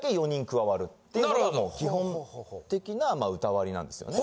なるほど。っていうのがもう基本的な歌割りなんですよね。